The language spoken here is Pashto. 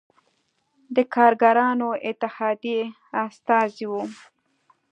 د کارګرانو اتحادیې استازی و.